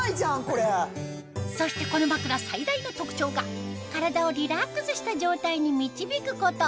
そしてこの枕最大の特徴が体をリラックスした状態に導くこと